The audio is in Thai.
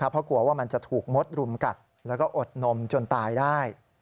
เพราะกลัวว่ามันจะถูกมดรุมกัดแล้วก็อดนมจนตายได้